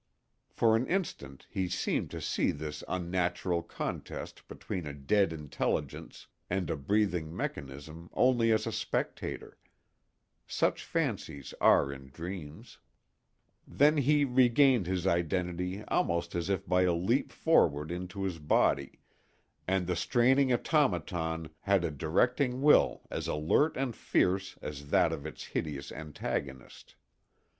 For an instant he seemed to see this unnatural contest between a dead intelligence and a breathing mechanism only as a spectator—such fancies are in dreams; then he regained his identity almost as if by a leap forward into his body, and the straining automaton had a directing will as alert and fierce as that of its hideous antagonist.